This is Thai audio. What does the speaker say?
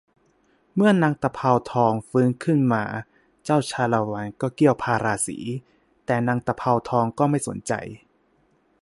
เมื่อนางตะเภาทองฟื้นขึ้นมาเจ้าชาละวันก็เกี้ยวพาราสี แต่นางตะเภาทองก็ไม่สนใจ